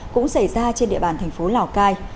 cũng xảy ra trên địa bàn thành phố lào cai